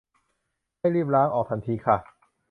ให้รีบล้างออกทันทีค่ะ